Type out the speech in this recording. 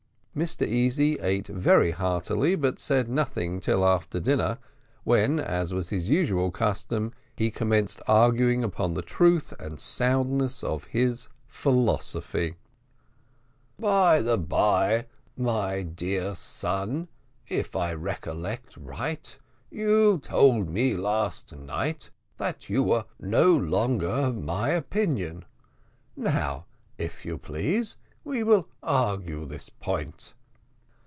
Mr Easy ate very heartily, but said nothing till after dinner, when, as was his usual custom, he commenced arguing upon the truth and soundness of his philosophy. "By the bye, my dear son, if I recollect right, you told me last night that you were no longer of my opinion. Now, if you please, we will argue this point."